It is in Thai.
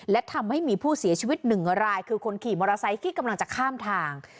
และทำให้มีผู้เสียชีวิตหนึ่งรายคือคนขี่มอเตอร์ไซค์ที่กำลังจะข้ามทาง